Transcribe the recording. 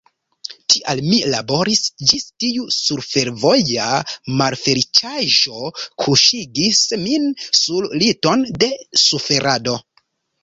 Tial mi laboris, ĝis tiu surfervoja malfeliĉaĵo kuŝigis min sur liton de suferado.